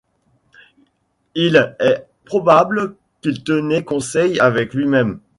Il est probable qu’il tenait conseil avec lui-même.